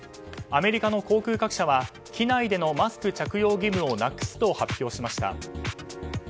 アメリカの航空各社は機内でのマスク着用義務をなくすと発表しました。